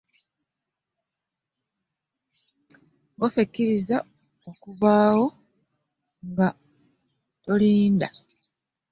Ewaffe kizira okuvaawo nga tolidde!